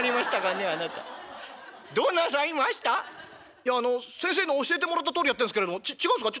「いやあの先生の教えてもらったとおりやってんですけれども違うんすか？